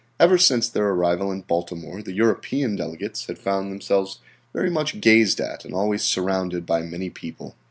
Ever since their arrival in Baltimore the European delegates had found themselves very much gazed at and always surrounded by many people.